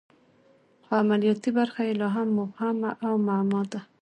خو عملیاتي برخه یې لا هم مبهم او معما ده